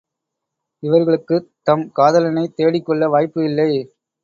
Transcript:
இவர்களுக்குத் தம் காதலனைத் தேடிக்கொள்ள வாய்ப்பு இல்லை.